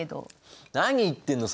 何言ってんの？